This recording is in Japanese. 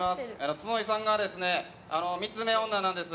角井さんが三つ目女なんです。